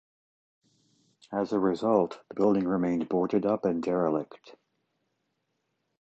As a result, the building remained boarded up and derelict.